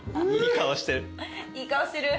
いい顔してる。